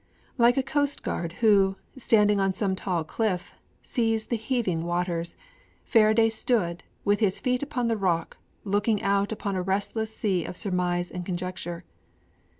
Like a coastguard who, standing on some tall cliff, surveys the heaving waters, Faraday stood, with his feet upon the rock, looking out upon a restless sea of surmise and conjecture.